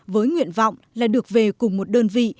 với nguyện vọng là được về cùng một đơn vị